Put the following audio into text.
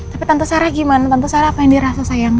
tapi tentu sarah gimana tentu sarah apa yang dirasa sayang